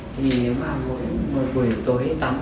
thì nếu mà mỗi buổi tối tắm